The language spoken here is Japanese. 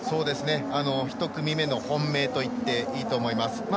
１組目の本命といっていいと思います。